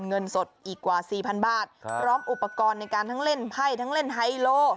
เงินสดอีกกว่า๔๐๐๐บาทพร้อมอุปกรณ์ในการทั้งเล่นไพ่ทั้งเล่นไฮโล